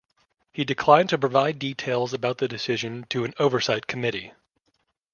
He declined to provide details about the decision to an oversight committee.